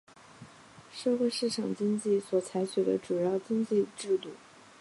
社会市场经济所采取的主要经济制度。